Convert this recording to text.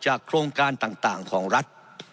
โครงการต่างของรัฐ